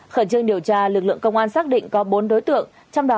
khẩn trương điều tra lực lượng công an xác định có bốn đối tượng